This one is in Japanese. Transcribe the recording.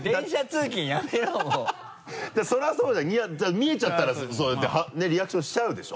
だからそれはそうだよ見えちゃったらそうやってねリアクションしちゃうでしょ？